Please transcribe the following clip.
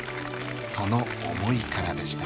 その思いからでした。